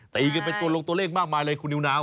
ตีกันเป็นตัวลงตัวเลขมากมายเลยคุณนิวนาว